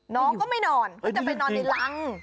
น้องก็ไม่นอนก็จะไปนอนในรัง